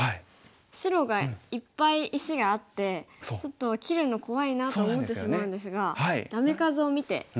白がいっぱい石があってちょっと切るの怖いなって思ってしまうんですがダメ数を見て打てばいいんですね。